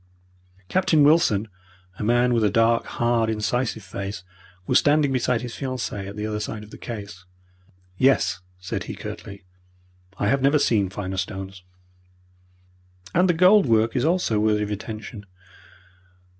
Captain Wilson, a man with a dark, hard, incisive face, was standing beside his fiancee at the other side of the case. "Yes," said he, curtly, "I have never seen finer stones." "And the gold work is also worthy of attention.